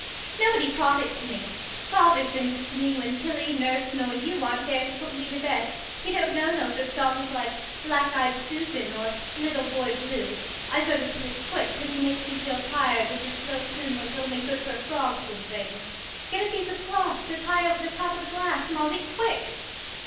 "Nobody taught it to me. Father sings it to me when Tilly, nurse, nor you aren't there to put me to bed. He don't know no good songs like 'Black eyed Susan' or 'Little Boy Blue.' I go to sleep quick 'cause he makes me feel tired with his slow tune what's only good for frogs and things. Get a piece of cloth to tie over the top of the glass, Molly, quick!"